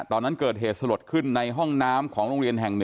ตอนนั้นเกิดเหตุสลดขึ้นในห้องน้ำของโรงเรียนแห่ง๑